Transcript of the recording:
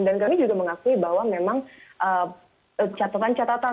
dan kami juga mengakui bahwa memang catatan catatan